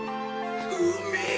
うめえ！